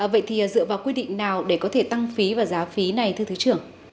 vậy thì dựa vào quy định nào để có thể tăng phí và giá phí này thưa thứ trưởng